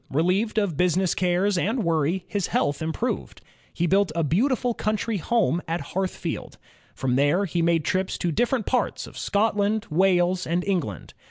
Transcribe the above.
Relieved of business cares and worry his health improved. He built a beautiful coimtry home at Hearthfield. From there he made trips to different parts of Scotland, Wales, and England.